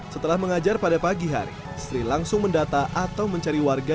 setelah mengajar pada pagi hari sri langsung mendata atau mencari warga